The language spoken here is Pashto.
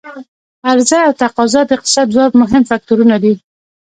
عرضا او تقاضا د اقتصاد دوه مهم فکتورونه دي.